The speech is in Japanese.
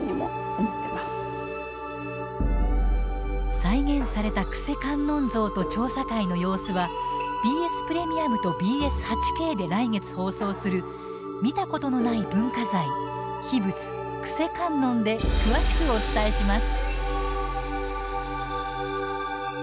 再現された救世観音像と調査会の様子はＢＳプレミアムとＢＳ８Ｋで来月放送する「見たことのない文化財秘仏救世観音」で詳しくお伝えします。